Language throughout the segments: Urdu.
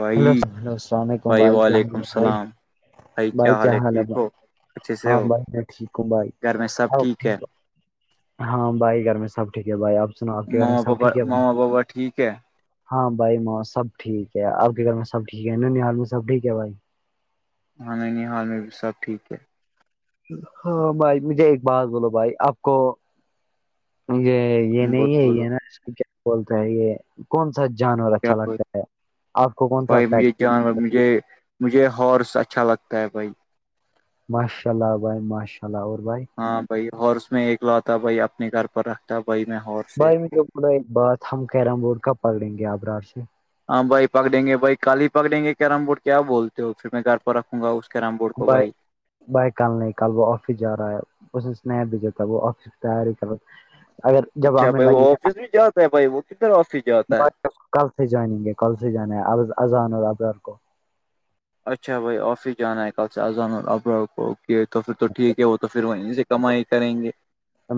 بھائی ہلولو السلام علیکم بھائی بھای وعلیکم جحمد السلام بھائی حال کیا ہے ٹھیک حلبا ہو اچھے سے ہاں ہو بائی ٹھیک ہ بھائی گھر میں سب ہاں ہے ٹھیک ہاں بھائی گھر میں سب ٹھیک ہے بھائی آپ سنو آپ کے گھر ماما میں سب پاپا ٹھیک ہے بھائی ماما پاپا ٹھیک ہے ہاں بھائی سب ٹھیک ہے آپ کے گھر میں سب ٹھیک ہے ن حال میں سب ٹھیک ہے بھائی ہان ن حال میں بھی سب ٹیک ہے ہاں بھائی مجھے ایک بات بولو بھائی آپ کو یہ یہ بہت نہیں ہے بولو یہ نا کیا بولتا ہے یہ کون سا جانور کیا اچھا ہوا؟ لگتا ہے آپ کو کون سا بھائی مجھے جانور مجھے مجھے ہارس اچھا لگتا ہے بھائی ماشاء اللہ بھائی ماشاء اللہ ع اورور بائے ہاں بھائی ہارس میں ایک لوتا بھائی اپنے گھر پر رکھتا بائی میں ہارس بھائی ایک مھے کو بوڑا ایک بات ہم کیرم بورڈ کب پکڑیں گے آپ رار سے ہاں بھائی پک دیں گے بھائی کال ہی پک دیں گے کیرم بورڈ کیا بولتے ہو پھر میں گھر پر رکھوں گا اس کررم بورڈ کو بھائی بائک کال نہیں کال وہ آفس جا رہا ہے اسے اسنا بھیجتا ہے وہ آفس کی تیاری کر رہ اچھا بھائی وہ آفس بھی جاتا ہے بھائی وہ کدھر آفس جاتا ہے کل سے جانیں گے کل سے جانا اذان ال ابر کو اچھا بھائی آفس جانا ہے کل سے اذان ابر کو یہ تو پھر تو ٹھیک ہے وہ تو پھر وہیں سے کمائی کریں گے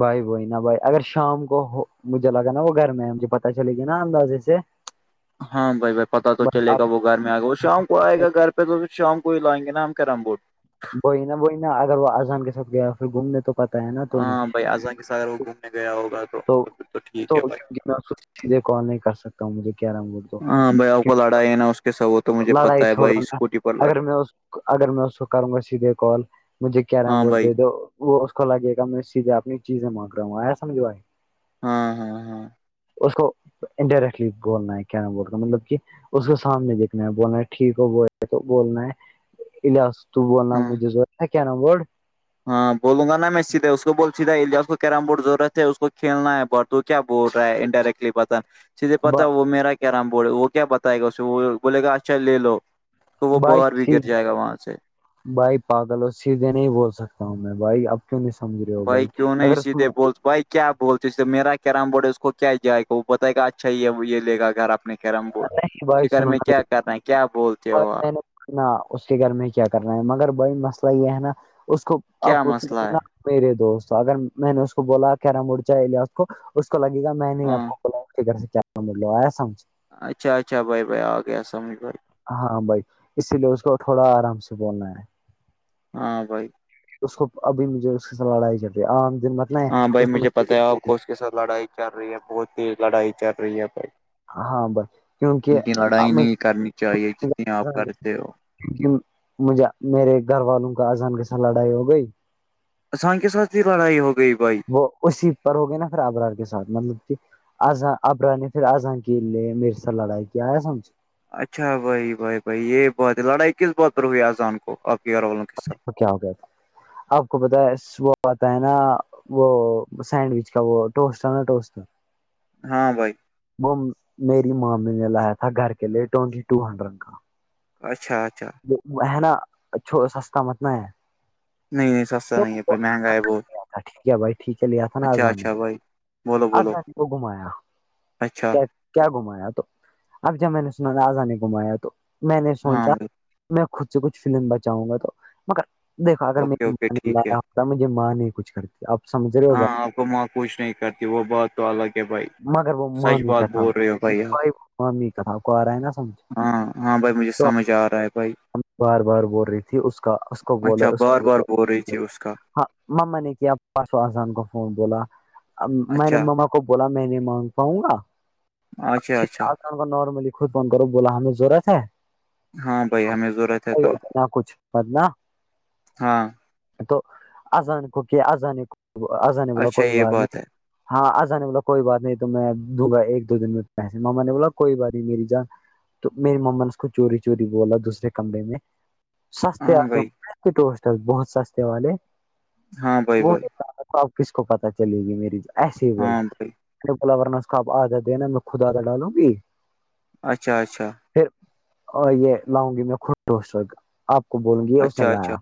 بھائی بئی نہ بھائی اگر شام کو مجھے لگا نا وہ گھر میں ہے مجھے پتہ چلے گی نا اندازے سے ہاں بھائی بھائی پتتا تو بھائی، چلے گا اب وہ گھر میں آ گا وہ شام کو آئے گا گھر پہ تو پھر شام کو ہی لائیں گے نا ہم کرم بورٹ وہی نا وہی نا اگر وہ اذان کے ساتھ گیا پھر گھومنے تو پتا ہے نا تو نے ہاں بھائی اذان کے ساتھ اگر وہ گھومنے گیا ہوگا تو پھر ٹھیک ہے بھائی توتنا سیدھے کال نہیں کر سکتا ہوں مجھے کیا رامم بول ہاں بھائی آ کو لڑائی ہے نا اس کے س وہ تو مجھے لڑائی پتا ہے بھائی چھوڑو نا اسکوٹی پر اگر لڑا میں اگر میں اس کو کروں گا سیدھے کال مجھے کیرا ہاں بورڈ بھائی دے دو وہ اس کو لگے گا میں سیدھے اپنی چیزیں مانگ رہا ہوں آیا سمجھوائی ہاں ہاں ہاں اس کو انڈائریکٹلی بولنا ہے کیا ن بولنا مطلب کہ اس کو سامنے دیک بولنا ہے ٹھیک ہو بول تو بولنا علاج تو بولنا ہاں مجھے جو کیا نام بورڈ ہاں بولوں گا میں سیدھے اس کو بول سیدھا اس کو کیرم بورڈ ضرورت ہے اس کو کھیلنا ہے بٹ تو کیا بول رہا ہے انڈائریکٹلی پتا سیدھے پتا وہ میرا کیرم بورڈ وہ کیا بتائے گا اسے وہ بولے گا اچھا لے لو کو وہ بائی باہر بھی سید گر جائے گا وہاں سے بھائی پاگلوں سیدھے نہیں بول سکتا ہوں میں بھائی اب کیوں سمجھ رہے ہو بھائی کیوں نہیں اگر اس کو سیدھے میں بول بھائی کیا بولتے اس سے میرا کیرم بورڈ ہے اس کو کیا جائے گ وہ بتائے گا اچھا یہ یہ لے گھر اپنے کیرم بورڈ بھائی فکر سنو میں کیا کر رہنا ہے کیا بولتے ہو آپ نہ اس کے گھر میں کیا کرنا ہے مگر بائی مسئلہ یہ ہے نا اس کو کیا مسئلہ ہے میرے دوست اگر میں نے اس کو بولا کیرا مرچا لیا اس کو اس کو لگے گا میں نے آپ ہاں کو کے گھر سے کیا بول لو آیا سمج اچھا اچھا بھائی بھائی آ گیا سمج بھ ہاں بھائی اسی لیے اس کو تھوڑا آرام سے بولنا ہے ہاں بھائی اس کو ابھی مجھے اس کے سھ لڑائی جتی ہے عام دن میں ہاں بھائی مجھے پتاہ ہے آپ کو اس کے ساتھ لڑائی چل رہی ہے بہت تیز لڑائی چل رہی ہے ہاں کیونکہ بھائی کی لڑائی مجھے نہیں کرنی چاہیے جتنی آپ کرتے ہو مجھے میرے گھر والوں کا اذان کے س لڑائی ہو گئی سان کے سات کی لڑائی ہو گئی بھائی وہ اسی پر ہو گئے نا پھر آبرار کے ساتھ مطلب کہ آزاں ابرا نے پھر آزاں کی لیے میر سےا لڑائی کیا ہے سمج اچھا بھائی بھائی بھائی یہ بات ہے لڑائی کس بات پر ہوئی اذان کو آپ کے ارولوں کےص س تو کیا ہو گ آپ کو پت ہے وہ آتا ہے نا وہ سینڈوچ کا وہ ٹوسٹا نا ٹوسٹ ہاں بھائی میری مامی نے لایا تھا گھر کے لیے ٹوینٹی ٹو ہنڈریڈ کا اچھا اچھا وہ وہ ہے نا اچھ سستا متنا ہے نہیں نہیں س تھا ٹھیک ہے بھائی ٹھیک ہے لیا تھا نا اچھا آزان نے اچھا بھائی بولو بولو آزادی کو گھمایا اچھا کیا کیا گھمایا تو اب جب میں نے سنا راجہ نے گھمایا تو میں نے ہاں سوچا بھائی میں خود سے کچھ فلم بچاؤں گا تو مگر دیکھا اگر میں اوکے اوکے ٹھیک ہے اتنامجھے ماں نہیں کچھ کرتی آپ سمجھ رہے ہو ہاں بات آپ ماں کچھ نہیں کرتی وہ بہت تو الگ ہے بھائی مگر وہ سچ مامی بات کاکام بول رہے ہو بھائی بھائ آپ مامی کےیہاں کوئ ا رہا ہے نہ سمجھ ہاں ہاں بھائی مجھے تو سمجھ آ رہا ہے بھائی بار بار بول رہی تھی اس کا اس کو بولا اچھا اس بار بار کوبولا بول رہی تھی اس کا ہاں ماما نے کیا پرسو ازان کو فون بولا میں نے اچھا ما ما بولا میں نہیں مانگ پاؤں گا اچھا اچھا نارملی خود فون کرو بولا ہمیں ضرورت ہے ہاں بھائی ہمیں ضرورت ہے تو نہ کچھ بد لہ ہاں تو اذان کو کیا ازان ازان بولا اچھا کوئی یہ بات ہے نہیں ہاں آذان بولا کوئی بات نہیں تو میں دوں گا ایک دو دن میں پس ماما نے بولا کوئی بات نہیں میری جان تو میری مما اس کو چوری چوری بولا دوسرے کمرے میں سستے ہاں بھائی آتے بہت سستے والے ہاں بھائی وہ بھائی تواب کس کو پتا چلے گی میری ایسے ہی بولا ہاں بھائی [unintelligible] اچھا اچھا پھر اور یہ لاؤں گی میں خدٹوسٹ آپ کو بولوں گی اس نے اچھا اچھا لایا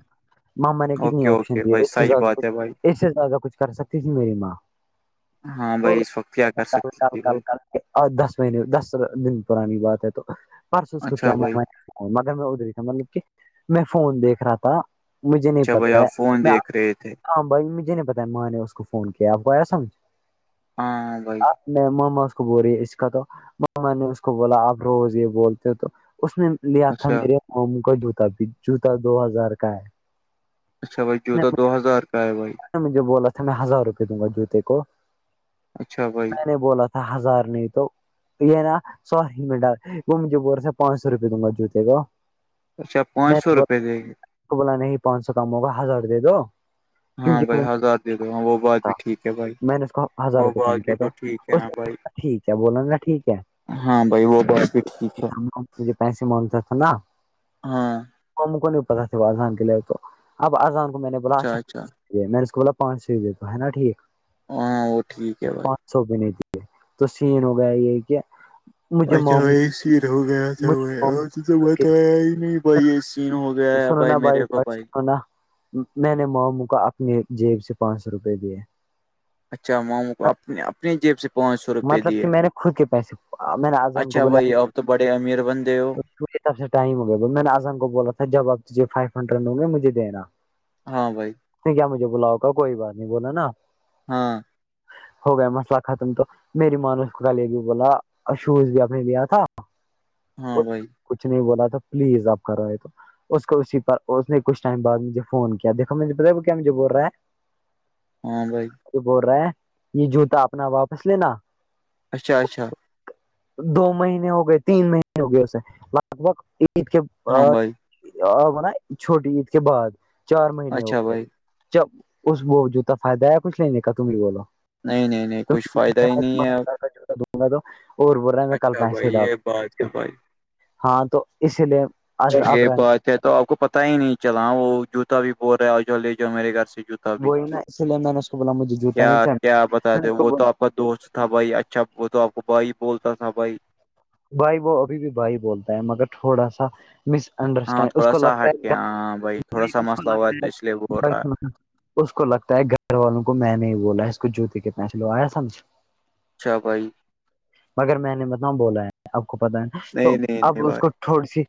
مما نے کتنی اوکے آپشن اوکے دیے بھائی اس سے سچ زیادہ بات کچھ ہے بھائی اس سے زیادہ کچھ کر سکتی تھی میری ماں ہاں بھائی اس وقت کیا ا کر سکتی چھا کل تھی کل بھائی کل آ ٹھ دس مہینے دس دن پرانی بات اہ اس کو کیا اچھا بھائی معنی مگر میں ادھر ہی تھا مطلب کہ میں فون دیکھ رہا تھا مجھے نہیں اچھا بھائی پتا آپ فون کیا دیکھ رہے تھے ہاں بھائی مجھے نہیں پتا ماں نے اس کو فون کیا آپ کویا سمجھ ہاں ود میں مما اس کو بول رہی ہے اس کا تو مما نے اس کو بولا آپ روز یہ بولتے ہو تو اس میں لیا تھا اچھا میرے مامو کا جوتا بھی جوتا دو ہزار کا ہے اچھا بھائ جوتادو ہزار کا ہےبھائی مجھے بولا تھا میں ہزار روپئے دوں گا جوتے کو اچھا بھائی میں نے بولا تھا ہزار نہیں تو یہ میرا سو ہی ڈال وہ مجھے بول ر ہاتھا پانچ سو روپے دوں گا جوتے کو اچھا پانچ میں نے سو روپئے دے گی کو بولا نہیں پانچ سو کم ہوگا ہزار دے دو ہاں کیونکہ بھائی وہ ہزار دے دو ہاں وہ بات تھا بھی ٹھیک ہے بھائی میں نے اس کو ہزار وہ روپئے بات کم بھی کیا تو ٹھیک ہے اس نا بھائی نے ٹھیک ہے بولا نا ٹھیک ہے ہاں بھائی وہ بات بھی ٹھیک ہے مجھے پیسے مانگتا تھا نا ہاں وہ کو ن نہیں پتا تھا وہ اذان کے لیے تو اب اذان کو میں نے بولا اچھا یہ میں نے اس کو بولا پانچ سو دینا تو ہے نا ٹھیک ہاں وہ ٹھیک ہے بھائی سوپی نہیں دیے تو سین ہو گیا یہ کہ مجھے مام [unintelligible] سین ہو گیا تھا مجھے بائی مام آ تو کے بتایا ہی نہیں بھائی یہ سین ہو گیا ہے سنو بھائی نا میرے کو بات بھائی سنو نا میں نے ماموں کو اپنی جیب سے پانچ سو روپئے دیے اچھا ماموں کو اپنے اپنی جیب سے پانچ سو روپئے مطلب دیے کہ میں نے خود کے پیسے میں نے آزان اچھا بھائی اب تو بڑے امیر بندے ہو مجھے طر سے ٹائم ہو گ ب میں نے اظم کو بولا تھا جب آپ تجھے فائیو ہنڈریڈ ہ گے مجھے دینا ہاں بھائی نہیں کیا مجھے بلاؤگا کوئی بات نہیں بولا نا ہاں ہو گیا مسئلہ ختم تو میری ماں نے اس کو گال بھی بولا شوز بھی اپپ نے لیا تھا ہاں بھائی کچھ نہیں بولا تھا پلیز آپ کر رہے تو اس کو اسی پر اس نے کچھ ٹائم بد مجھے فون کیا دیکھو مجھے بت کیا مجھے بول رہا ہے ہاں بھائی یہ بول رہا ہے یہ جوتا اپنا واپس لینا اچھا اچھا دو مہینے ہو گئے تین مہینے ہو گئے اسے لگ بھگ عید کے ہاں بھائی آپنا چھوٹی عید کے بعد چار مہینے ہو اچھا گئے بھائی ب اس وہ جوتا فائدہ یا کچھ نہیںنے کہ تم بھی بولو نہیں نہیں نہیں تم کچھ فائدہ ہی نہیں ہے اب [unintelligible] تو اور بول رہے ہیں میں کل اچھا پیسے بھائی ڈال یہ بات دوں ہے بھائی ہاں تو اسی لیے یہ ابرا نے بات ہے تو آپ کو پتا ہی نہیں چلا وہ جوتا بھی بول رہا ہے آ ج لے جاؤ میرے گھر سے جوتا ب وہی نا اسی لیے میں نے اس کو بولا مجھے جوتا کیا نہیں چاہیے کیا میں بتے نے اس کو وہ تو بولا آپ دوست تھا بھائی اچھا وہ تو آپ کو بھائی بولتا تھا بھائی بھائی وہ ابھی بھی بھائی بولتا ہے مگر تھوڑا سا مس ہاں انڈرسٹینڈ اس تھوڑا کو سا لگتا ہٹ کے ہےتا ہاں بھائی تھوڑا ہے سا مسئلہ ہوا ہے تو اس لیے بول رہا ہے اس کو لگتا ہے گھر والوں کو میں نے ہی بولا ہے اس کو جوتی کتنا چلو آیا سمج اچھا بھائی مگر میں نے مت بولا ہے اب کو پتا ہے نا تو نہیں نہیں اب نہیں اس کو بھائی تھوڑی سی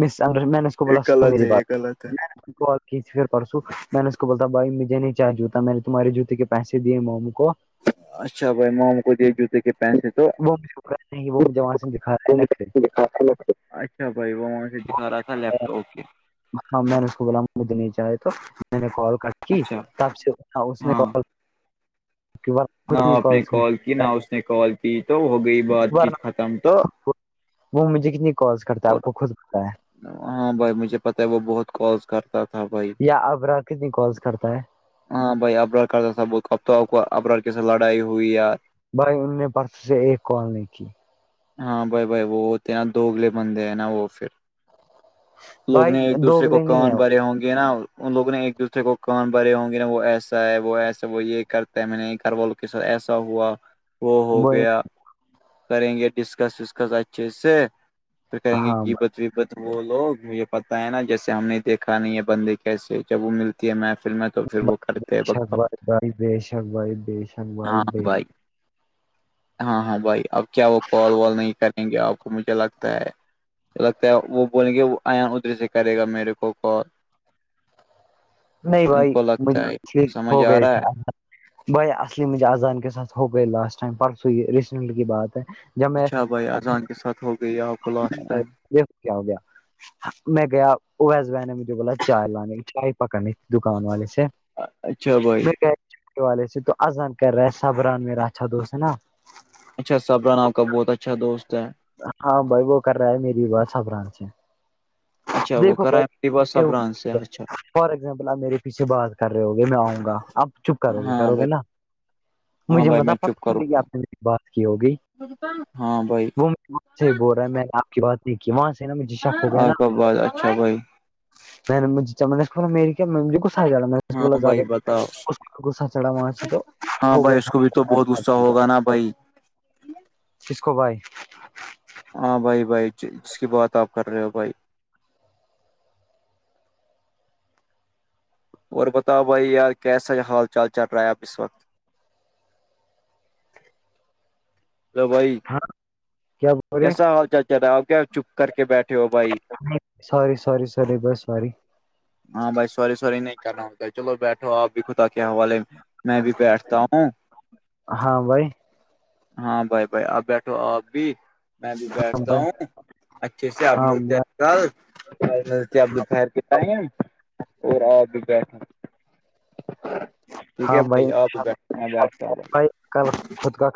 م میں نے اس کو یہ بلا س غلط میری ہے بات یہ غلط ہے پر پرسو میں نے اس کو بولتا بائی مجھے نہیں چا جوتا میں نے تمہارے جوتے کے پیسے دیے م اچھا بھائی موم کو دے جوتے کے پین سے تو وہ مجھے نہیں وہ مجھے وہاں سے دکھا رہا ہے نخرے اچھا بھائی وہ وہ سے دکھا رہا تھا لیپ ٹاپ ہاں میں نے اس کو ب نہیں چاہے تو میں نے کال کر کی اچھا تب سے اس ہاں کال [unintelligible] نہ آپ نے کال کی نہ اس نے کال کی تو ہو گئی بات ورنہ چیت ختم تو وہ مجھے کتنی کال کرتا ہے آپ اور کو خود پتا ہے ہاں بھائی مجھے پتا ہے وہ بہت کس کرتا تھا بھائی یا ابرا کتنی کالس کرتا ہے ہاں بھائی ار سب اب تو ار کیسے لڑائی ہوئی یار بھائی ان نے پرس سے ایک کال نہیں کی ہاں بھائی بھائی وہ ہوتے ہیں نا دو اگلے بندے ہیں نا وہ پھر لوگ بھائی نے ایک دوسرے کو دوگلے نہیں کان ہے بھرے ہوں گے نا ان لوگ نے ایک دوسرے کو کان بھرے ہوں گے نا وہ ایسا ہے وہ ایسا وہ یہ کرتا ہے میں نے گھر والول ایسا ہوا وہ ہو وہی گیا کریں گے ڈسکس وسکس اچھے سے پھر نا کہیں گے ہاں بھائی غیبت وہ لوگ مجھے پتہ ہے نا جیسے ہم نے دیکھا نہیں ہے بندے کیسے جب وہ ملتی ہے میں فلم تو پھر وہ کرتے ہیں شک بھائی بھائی بے شک بھائی بے شک ہاں بھائی بے بائی ہاں ہاں بھائی اب کیا وہ کال وال نہیں کریں گے آپ کو مجھے لگتا ہے لگتا ہے وہ بولیں گے وہ ایان ادھر سے کرے گا میرے کو کال نہیں ان بھائی کو لگتا ہے مجھے ہو سمجھ آ گئے رہا ہے تھا بائی اصلی مجھے اذان کے ساتھ ہو گئے لاسٹ ٹائم پرسو یہ ریسنٹلی کی بات ہے جب میں اچھا بھائی اذان کے ساتھ ہو گئی ہے آپ کو لاسٹ ٹائم دیکھو کیا ہو گیا میں گیا اویس و نے مجھے بولا چائے لانے چائے پکڑنی دکان والے سے اچھا بھائی والے سے تو اذان کر رہا ہے سبران میرا اچھا دوست ہے نا اچھا سبران آپ کا بہت اچھا دوست ہے ہاں بھائی وہ کر رہا ہے میری باتبران سے اچھا وہ دیکھو کرا ہے بس بھائی سبران سے اچھا فار ایگزامپل آپ میرے پیچھے بد کر رہے ہو گے میں آؤں گا آپ چپ کرو گے ہاں کرو گے بھائی نا ہاں مجھے بھائی مزہ میں پتہ چپ کروں چلے گی گا آپ نے میری بات کی ہوگی ہاں بھائی وہ وہاں سے ہی بول رہا ہ میں نے آپ کی بات نہیں کی وہاں سے نا مجھے شک ہو گیا نا آپ کا بات اچھا بھائی میں نے نے اسولا میری کیا کو سار جانا میں نے اس ہاں بولا زیادہ بھائی بتاؤ اس کو بھی غصہ چڑھا وہاں سے تو ہاں بھائی اس کو بھی تو بہت غصہ [unintelligible] ہوگا نا بھائی کس کو باہی ہاں بھائی بھائی جس کی بات آپ کر رہے ہو بھائی اور بتاؤ بھائی یار کیسا حال چال چل رہا ہے اب اس وقت ہلو بھائی کیا بول کیسا رہے حال چال چ رہا ہے آ کیا چپ کر کے بیٹھے ہو بھائی سوری سور ساریی بس ساری ہاں بھائی سوری سوری نہیں کرنا ہوتا ہے چلو بیٹھو آپ بھی خدا کے حوالے میں میں بھی بیٹھتا ہوں ہاں بھائی ہاں بھائی بھائی آپ بیٹھو اب بھی میں بھی ہاں بیٹھتا بھائی ہوں اچھے سے آپ ہاں ملتے بھائی ہیں اپد پھر ٹائم اور آپ بھی بیٹھ ٹھیک ہے بھائی آپ بھی بیٹھو میں جاتا ہوں بھائی کل خود کا